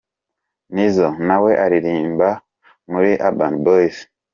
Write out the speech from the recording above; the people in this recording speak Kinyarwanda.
Nizzo: na we aririmba muri Urban Boyz.